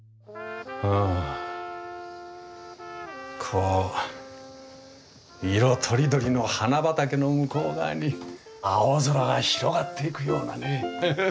こう色とりどりの花畑の向こう側に青空が広がっていくようだね。